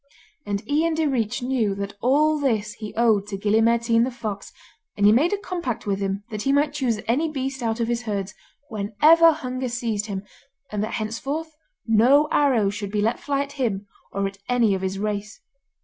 And Ian Direach knew that all this he owed to Gille Mairtean the fox, and he made a compact with him that he might choose any beast out of his herds, whenever hunger seized him, and that henceforth no arrow should be let fly at him or at any of his race.